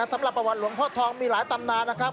สำหรับประวัติหลวงพ่อทองมีหลายตำนานนะครับ